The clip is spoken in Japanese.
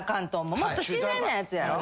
もっと自然なやつやろ。